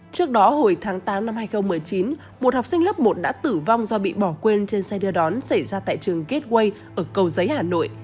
trước đó hồi tháng tám năm hai nghìn một mươi chín một học sinh lớp một đã tử vong do bị bỏ quên trên xe đưa đón xảy ra tại trường gateway ở cầu giấy hà nội